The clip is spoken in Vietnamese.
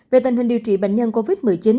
về tình hình điều trị bệnh nhân covid một mươi chín